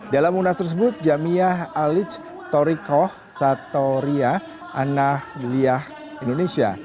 dalam unas tersebut jamia alic torikoh satanariah anal giliah indonesia